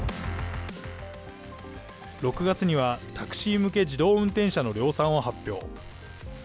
６月にはタクシー向け自動運転車の量産を発表。